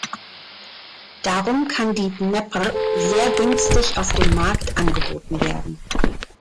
Darum kann die Dnepr sehr günstig auf dem Markt angeboten werden.